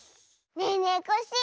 ねえねえコッシー